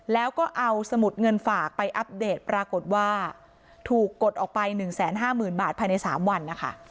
แล้วก็เอาสมุดเงินฝากไปอัปเดตปรากฏว่าถูกกดออกไปหนึ่งแสนห้าหมื่นบาทภายในสามวันนะคะ